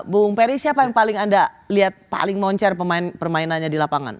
bung peri siapa yang paling anda lihat paling moncer permainannya di lapangan